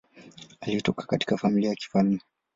Alitoka katika familia ya kifalme.